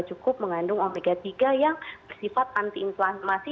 kita juga cukup mengandung omega tiga yang bersifat anti inflamasi